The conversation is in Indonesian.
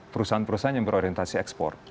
perusahaan perusahaan yang berorientasi ekspor